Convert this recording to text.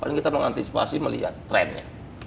paling kita mengantisipasi melihat trennya